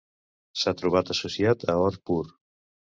S'ha trobat associat a or pur.